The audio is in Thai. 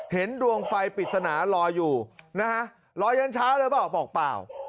เห็นดวงไฟปิดสนารอยอยู่รอยเย็นช้าเลยหรือเปล่าบอกเปล่า